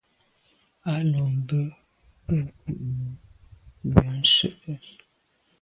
A lo be be kwinyàm ke yon nse’e.